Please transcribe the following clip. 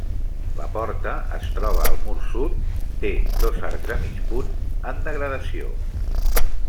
La porta es troba al mur sud, té dos arcs de mig punt en degradació.